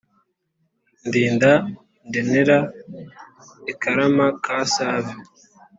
Ndinda ndenra i Karama ka Save,